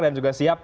dan juga siap